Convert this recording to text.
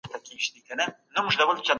د علم په برکت آدم د پرښتو معلم وګرځېد.